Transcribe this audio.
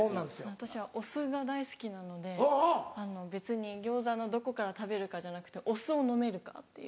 私はお酢が大好きなので別に餃子のどこから食べるかじゃなくてお酢を飲めるかっていう。